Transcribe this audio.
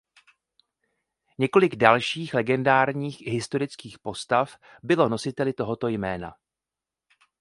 Několik dalších legendárních i historických postav bylo nositeli tohoto jména.